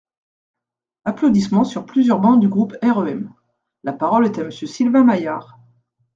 (Applaudissements sur plusieurs bancs du groupe REM.) La parole est à Monsieur Sylvain Maillard.